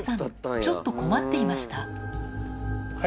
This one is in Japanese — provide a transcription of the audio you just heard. ちょっと困っていましたはい。